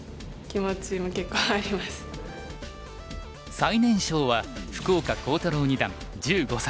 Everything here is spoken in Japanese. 最年少は福岡航太朗二段１５歳。